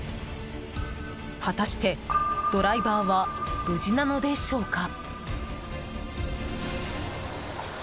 果たして、ドライバーは無事なのでしょうか？